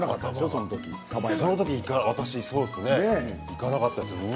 いかなかったですね。